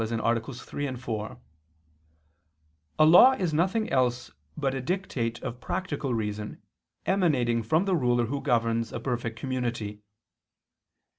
3, 4), a law is nothing else but a dictate of practical reason emanating from the ruler who governs a perfect community.